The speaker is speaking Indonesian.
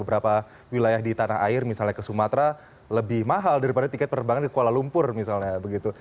mereka bisa menerbangan ke beberapa wilayah di tanah air misalnya ke sumatera lebih mahal daripada tiket pererbangan di kuala lumpur misalnya begitu